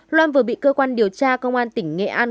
loan vừa bị cơ quan điều tra công an tỉnh nghệ an